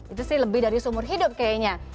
itu sih lebih dari seumur hidup kayaknya